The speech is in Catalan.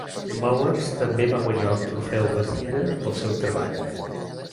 Mowers també va guanyar el Trofeu Vezina pel seu treball.